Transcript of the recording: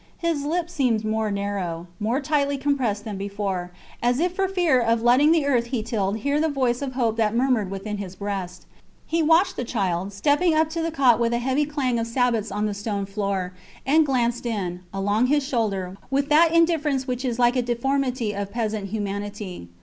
His lips seemed more narrow, more tightly compressed than before; as if for fear of letting the earth he tilled hear the voice of hope that murmured within his breast. He watched the child, stepping up to the cot with a heavy clang of sabots on the stone floor, and glanced in, along his shoulder, with that indifference which is like a deformity of peasant humanity.